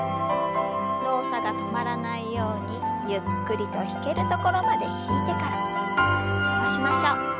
動作が止まらないようにゆっくりと引けるところまで引いてから伸ばしましょう。